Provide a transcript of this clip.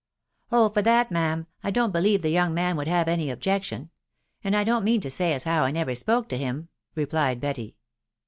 " Oh ! for that, ma'am, I don't believe the young man would have any objection ; and I don't mean to say as how I never spoke to him/' "replied Betty.